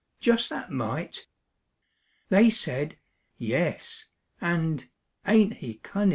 Just that mite!" They said, "Yes," and, "Ain't he cunnin'?"